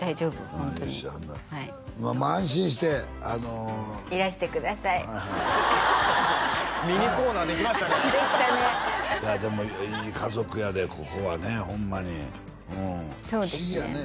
ホントによっしゃほんならまあ安心してあのいらしてくださいミニコーナーできましたねできたねでもいい家族やでここはねホンマにうん不思議やね